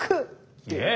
イエイ！